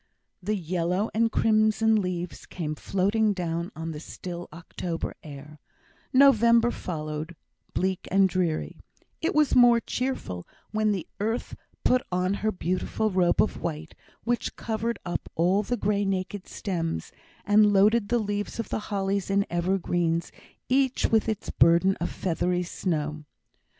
The yellow and crimson leaves came floating down on the still October air; November followed, bleak and dreary; it was more cheerful when the earth put on her beautiful robe of white, which covered up all the grey naked stems, and loaded the leaves of the hollies and evergreens each with its burden of feathery snow.